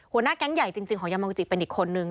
หัวหน้าแก๊งใหญ่จริงของยามองจิเป็นอีกคนนึง